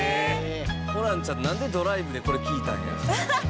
「ホランちゃんなんでドライブでこれ聴いたんや」